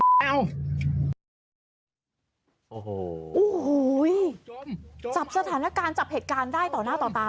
โอ้โหโอ้โหจับสถานการณ์จับเหตุการณ์ได้ต่อหน้าต่อตา